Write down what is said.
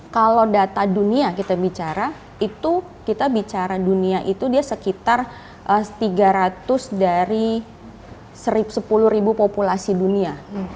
kalau data dunia kita bicara itu kita bicara dunia itu dia sekitar tiga ratus dari sepuluh ribu populasi dunia